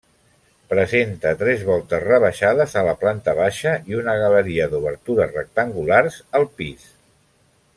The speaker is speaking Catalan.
Presenta tres voltes rebaixades a la planta baixa i una galeria d'obertures rectangulars al pis.